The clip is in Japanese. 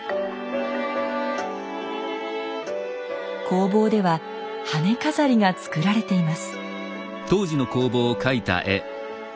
工房では羽飾りが作られています。